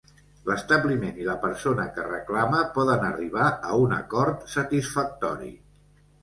L'establiment i la persona que reclama poden arribar a un acord satisfactori.